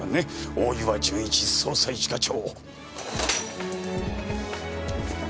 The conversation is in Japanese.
大岩純一捜査一課長。